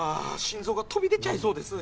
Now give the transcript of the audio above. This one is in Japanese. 心臓が飛び出ちゃいそうです